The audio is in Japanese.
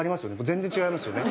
全然違いますよね。